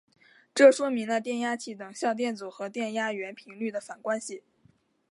这说明了电压器的等效电阻和电压源频率的反关系。